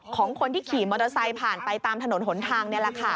ของคนที่ขี่มอเตอร์ไซต์ผ่านไปตามถนนหนทาง